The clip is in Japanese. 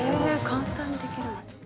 簡単にできる。